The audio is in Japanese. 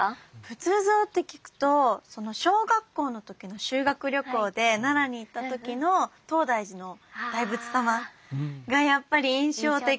仏像って聞くと小学校の時の修学旅行で奈良に行った時の東大寺の大仏様がやっぱり印象的。